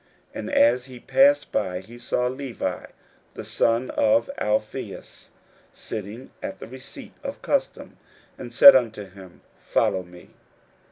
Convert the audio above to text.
41:002:014 And as he passed by, he saw Levi the son of Alphaeus sitting at the receipt of custom, and said unto him, Follow me.